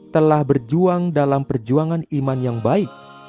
telah berjuang dalam perjuangan iman yang baik